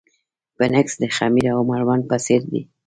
فنګس د خمیر او مړوند په څېر دي.